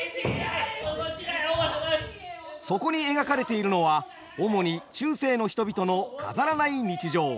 そこに描かれているのは主に中世の人々の飾らない日常。